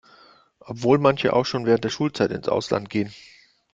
Obwohl manche auch schon während der Schulzeit ins Ausland gehen.